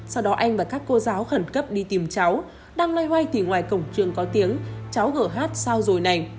sau đó anh và các cô giáo khẩn cấp đi tìm cháu đang loay hoay thì ngoài cổng trường có tiếng cháu gờ hát sao rồi này